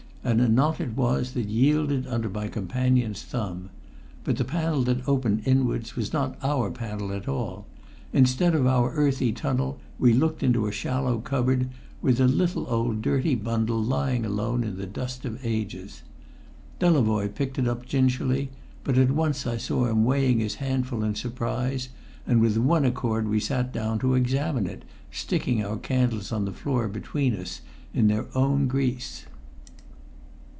And a knot it was that yielded under my companion's thumb. But the panel that opened inwards was not our panel at all; instead of our earthy tunnel, we looked into a shallow cupboard, with a little old dirty bundle lying alone in the dust of ages. Delavoye picked it up gingerly, but at once I saw him weighing his handful in surprise, and with one accord we sat down to examine it, sticking our candles on the floor between us in their own grease.